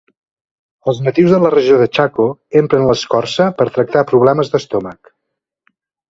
Els natius de la regió del Chaco empren l'escorça per a tractar problemes d'estómac.